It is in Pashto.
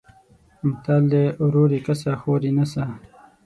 متل دی: ورور یې کسه خور یې نسه.